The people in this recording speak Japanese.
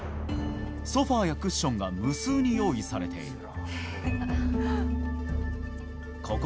ソファやクッションが無数に用意されている。